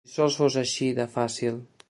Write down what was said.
Si sols fos així de fàcil… !